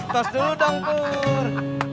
tos dulu dong pur